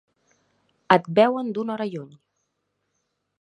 Et veuen d'una hora lluny.